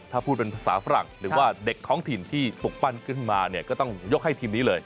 ถ้าพูดเป็นภาษาฝรั่งหรือว่าเด็กท้องถิ่นที่ปลูกปั้นขึ้นมาเนี่ยก็ต้องยกให้ทีมนี้เลย